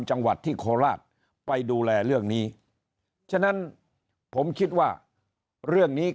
จังหวัดที่โคราชไปดูแลเรื่องนี้ฉะนั้นผมคิดว่าเรื่องนี้